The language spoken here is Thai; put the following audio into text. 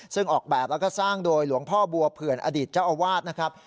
ซึ่งออกแบบแล้วก็สร้างโดยหลวงพ่อบัวเผื่อนอดีตเจ้าอาวาสนะครับ